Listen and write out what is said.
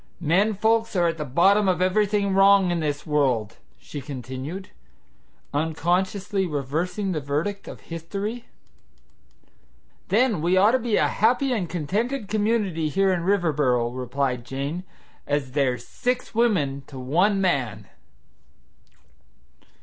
"Men folks are at the bottom of everything wrong in this world," she continued, unconsciously reversing the verdict of history. "Then we ought to be a happy and contented community here in Riverboro," replied Jane, "as there's six women to one man."